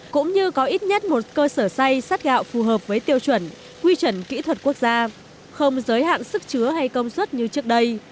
cũng như có ít nhất một cơ sở xay sát gạo phù hợp với tiêu chuẩn quy chuẩn kỹ thuật quốc gia không giới hạn sức chứa hay công suất như trước đây